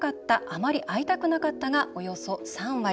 「あまり会いたくなかった」がおよそ３割。